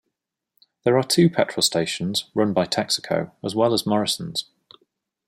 There are two petrol stations, run by Texaco, as well as Morrisons.